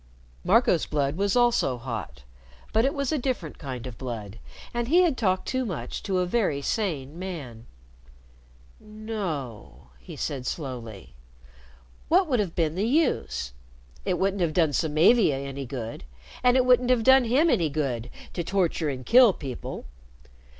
Marco's blood was also hot, but it was a different kind of blood, and he had talked too much to a very sane man. "No," he said slowly. "What would have been the use? It wouldn't have done Samavia any good, and it wouldn't have done him any good to torture and kill people.